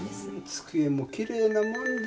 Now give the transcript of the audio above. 机もきれいなもんだ。